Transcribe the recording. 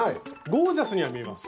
ゴージャスには見えます。